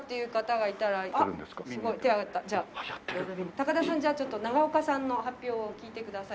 高田さんじゃあちょっとながおかさんの発表を聞いてください。